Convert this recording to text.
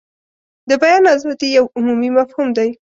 د بیان ازادي یو عمومي مفهوم دی.